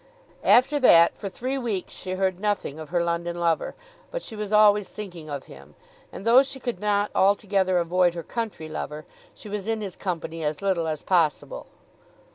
After that for three weeks she heard nothing of her London lover, but she was always thinking of him; and though she could not altogether avoid her country lover, she was in his company as little as possible.